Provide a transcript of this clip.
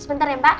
sebentar ya mbak